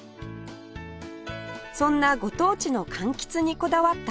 そんなご当地の柑橘にこだわったこちら